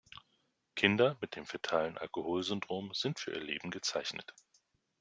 Kinder mit dem fetalen Alkoholsyndrom sind für ihr Leben gezeichnet.